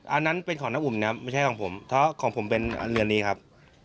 อันนั้นเป็นของน้าอุ่มนะครับไม่ใช่ของผมเพราะของผมเป็นเรือนนี้ครับ